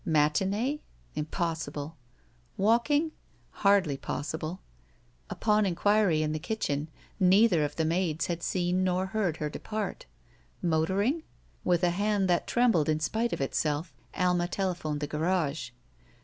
Matin6e? Impossible! Walking? Hardly possible. Upon inqtiiry in the kitchen, neither of the maids had seen nor heard her depart. Motoring? With a hand that trembled in spite of itself Alma telephoned the garage.